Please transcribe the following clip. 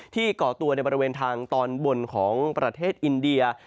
ก่อตัวในบริเวณทางตอนบนของประเทศอินเดีย